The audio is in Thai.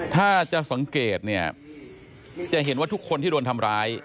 ถ้าจะสังเกตเนี่ยจะเห็นว่าทุกคนที่โดนทำร้าย